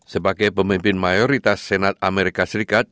sebagai pemimpin mayoritas senat amerika serikat